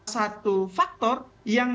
satu faktor yang